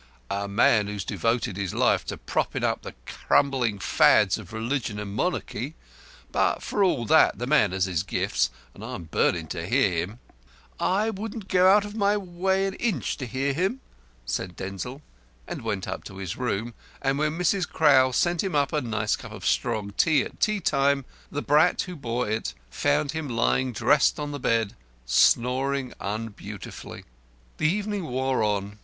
"A man who's devoted his whole life to propping up the crumbling Fads of Religion and Monarchy. But, for all that, the man has his gifts, and I'm burnin' to hear him." "I wouldn't go out of my way an inch to hear him," said Denzil; and went up to his room, and when Mrs. Crowl sent him up a cup of nice strong tea at tea time, the brat who bore it found him lying dressed on the bed, snoring unbeautifully. The evening wore on.